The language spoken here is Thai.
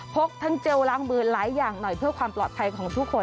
กทั้งเจลล้างมือหลายอย่างหน่อยเพื่อความปลอดภัยของทุกคน